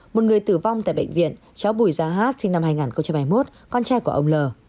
một người tử vong tại bệnh viện cháu bùi gia hát sinh năm hai nghìn hai mươi một con trai của ông l